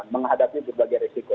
menghadapi berbagai risiko